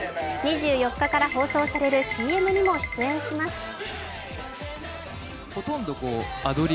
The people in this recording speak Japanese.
２４日から放送されるＣＭにも出演します。